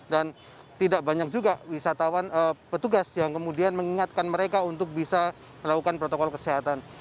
dan tidak banyak juga wisatawan petugas yang kemudian mengingatkan mereka untuk bisa melakukan protokol kesehatan